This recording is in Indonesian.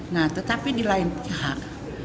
nah tetapi di lain pihak